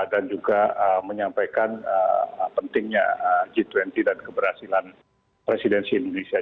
dan juga menyampaikan pentingnya g dua puluh dan keberhasilan presidensi indonesia